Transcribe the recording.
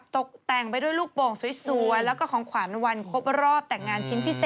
ตกปากอะไรตกปากทำไม